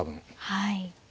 はい。